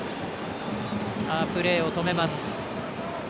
プレーを止めます。